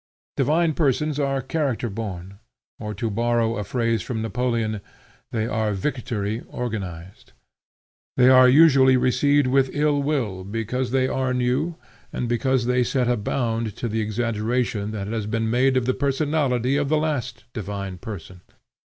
Divine persons are character born, or, to borrow a phrase from Napoleon, they are victory organized. They are usually received with ill will, because they are new and because they set a bound to the exaggeration that has been made of the personality of the last divine person.